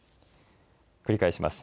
繰り返します。